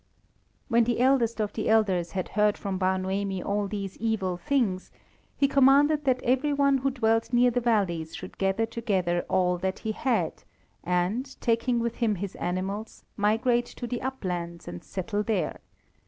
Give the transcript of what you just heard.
When the eldest of the elders had heard from Bar Noemi all these evil things, he commanded that every one who dwelt near the valleys should gather together all that he had, and, taking with him his animals, migrate to the uplands and settle there.